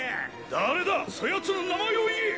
誰だ？そやつの名前を言え！